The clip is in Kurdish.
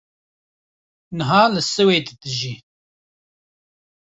niha li Swêd dijî